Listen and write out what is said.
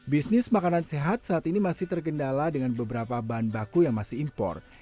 bisnis makanan sehat saat ini masih tergendala dengan beberapa bahan baku yang masih impor